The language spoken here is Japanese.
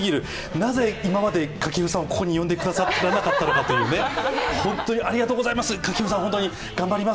なぜ今まで掛布さんをここに呼んでくださらなかったのかっていう本当にありがとうございます、掛布さん、頑張ります。